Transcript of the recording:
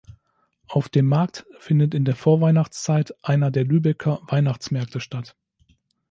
Auf dem Markt findet in der Vorweihnachtszeit einer der Lübecker Weihnachtsmärkte statt.